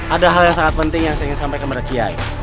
ada hal yang sangat penting yang saya ingin sampaikan kepada kiai